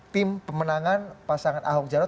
tim pemenangan pasangan ahok jarot